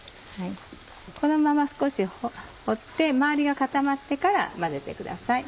このまま少し放って周りが固まってから混ぜてください。